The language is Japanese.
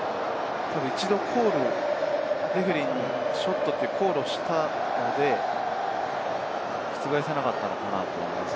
一度、レフェリーにショットというコールをしたので、覆せなかったのかなと思います。